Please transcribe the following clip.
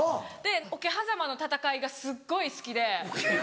桶狭間の戦いがすっごい好きで。